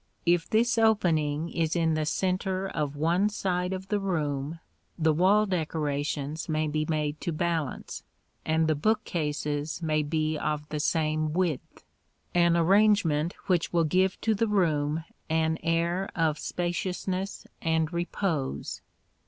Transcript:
If this opening is in the centre of one side of the room, the wall decorations may be made to balance, and the bookcases may be of the same width, an arrangement which will give to the room an air of spaciousness and repose.